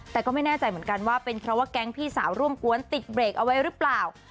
แต่ก็ไม่แน่ใจเหมือนกันว่าเป็นเพราะว่าแก๊งพี่สาวร่วมกวนติดเบรกเอาไว้หรือเปล่า